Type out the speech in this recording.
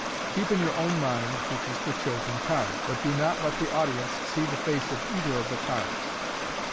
Keep in your own mind which is the chosen card, but do not let the audience see the face of either of the cards.